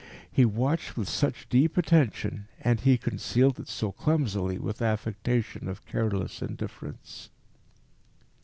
He watched with such deep attention, and he concealed it so clumsily with an affectation of careless indifference.